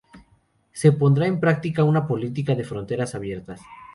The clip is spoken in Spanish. Se pondrá en práctica una política de fronteras abiertas.